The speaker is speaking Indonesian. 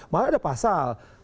malah ada pasal